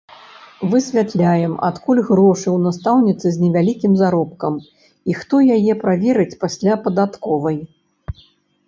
Высвятляем, адкуль грошы ў настаўніцы з невялікім заробкам і хто яе праверыць пасля падатковай.